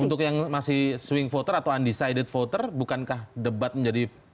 untuk yang masih swing voter atau undecided voter bukankah debat menjadi